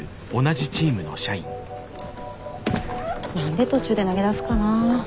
何で途中で投げ出すかな。